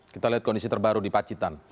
kita lihat kondisi terbaru di pacitan